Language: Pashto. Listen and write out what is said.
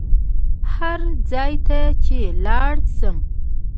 هر ځای ته چې لاړ شم.